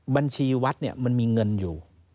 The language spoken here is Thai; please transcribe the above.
บัญชีวัดเนี่ยมันมีเงินอยู่